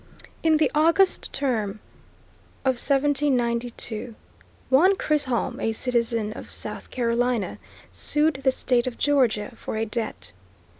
In the August Term of 1792, one Chisholm, a citizen of South Carolina, sued the State of Georgia for a debt.